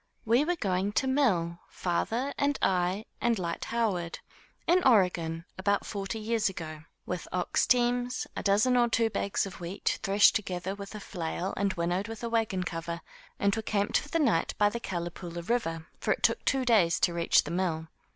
We were going to mill, father and I, and Lyte Howard, in Oregon, about forty years ago, with ox teams, a dozen or two bags of wheat, threshed with a flail and winnowed with a wagon cover, and were camped for the night by the Calipoola River; for it took two days to reach the mill.